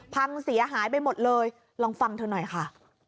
พังเสียหายไปหมดเลยลองฟังเธอหน่อยค่ะ